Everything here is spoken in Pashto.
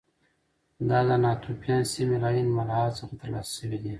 دا د ناتوفیان سیمې له عین ملاحا څخه ترلاسه شوي دي